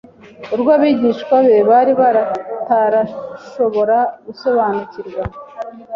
urwo abigishwa be bari batarashobora gusobanukinva